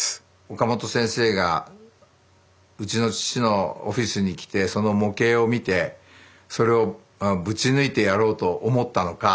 岡本先生がうちの父のオフィスに来てその模型を見てそれをぶち抜いてやろうと思ったのか。